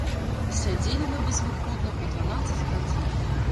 Сядзелі мы безвыходна па дванаццаць гадзін.